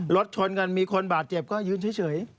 รถชนกันมีคนบาดเจ็บก็ยืนเฉย